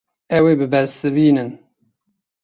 Ew ê bibersivînin.